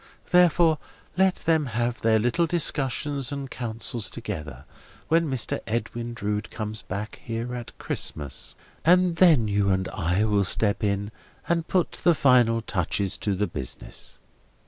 Therefore, let them have their little discussions and councils together, when Mr. Edwin Drood comes back here at Christmas; and then you and I will step in, and put the final touches to the business."